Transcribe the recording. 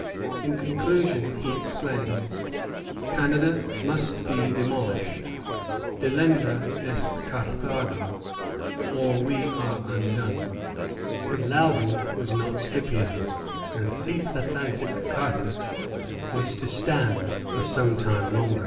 In conclusion he exclaims: "Canada must be demolished, Delenda est Carthago, or we are undone." But Loudon was not Scipio, and cis Atlantic Carthage was to stand for some time longer.